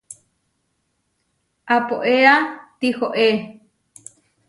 Apoéa tihoé.